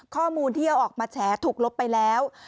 ข้อมูลที่เอาออกมาแฉถูกลบไปแล้ว